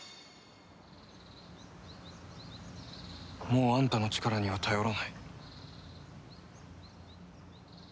もうあんたの力には頼らない。